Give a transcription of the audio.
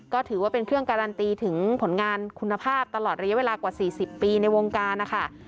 ก็ถือว่าเป็นเครื่องการันตีถึงผลงานคุณภาพตลอดระยะเวลากว่า๔๐ปีในวงการนะคะ